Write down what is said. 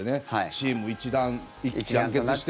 チーム一丸、一致団結して。